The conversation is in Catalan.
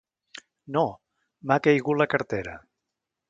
No! M'ha caigut la cartera!